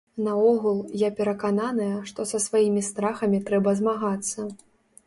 Наогул, я перакананая, што са сваімі страхамі трэба змагацца.